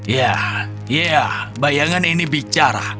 ya ya bayangan ini bicara